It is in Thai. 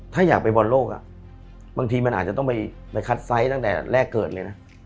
ถ้าอยากไปบอลโลกบางทีมันอาจจะต้องไปคัดไซส์ตั้งแต่แรกเกิดเลยนะ